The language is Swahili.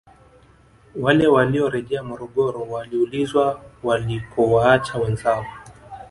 Wale waliorejea Morogoro waliulizwa walikowaacha wenzao